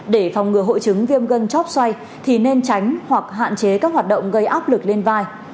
để phòng ngừa hội chứng viêm chóp xoay thì nên tránh hoặc hạn chế các hoạt động gây áp lực lên vai